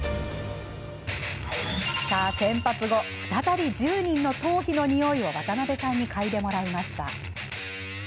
洗髪後再び１０人の頭皮のにおいを渡邉さんに嗅いでもらいました。